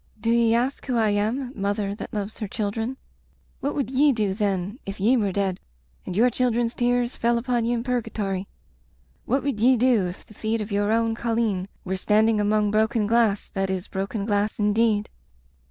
"Do ye ask who I am — ^mother that loves her children? What would ye do, then, if ye were dead, and your children's tears fell upon ye in purgatory? What would ye do if the feet of your own colleen were standing among broken glass that is broken glass indeed?"